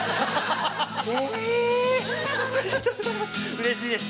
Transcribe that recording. うれしいです。